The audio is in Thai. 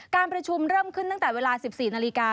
การประชุมเริ่มขึ้นตั้งแต่เวลา๑๔นาฬิกา